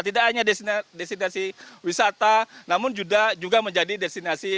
tidak hanya destinasi wisata namun juga menjadi destinasi